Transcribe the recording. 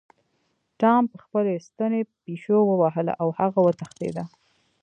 ټام په خپلې ستنې پیشو ووهله او هغه وتښتیده.